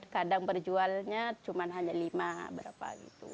kadang berjualnya hanya lima berapa